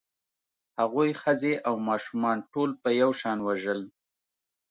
هغوی ښځې او ماشومان ټول په یو شان وژل